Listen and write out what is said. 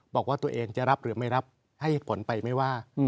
บอกว่าตัวเองจะรับหรือไม่รับให้ผลไปไม่ว่า